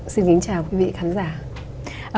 xin kính chào quý vị khán giả